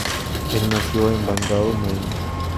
Él nació en Bangor, Maine.